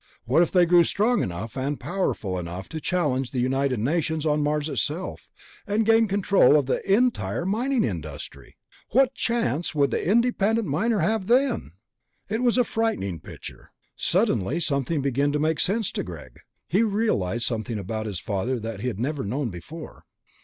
What if they grew strong enough and powerful enough to challenge the United Nations on Mars itself, and gain control of the entire mining industry? What chance would the independent miner have then? It was a frightening picture. Suddenly something began to make sense to Greg; he realized something about his father that he had never known before.